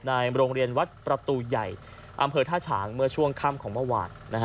ในโรงเรียนวัดประตูใหญ่อำเภอท่าฉางเมื่อช่วงค่ำของเมื่อวาน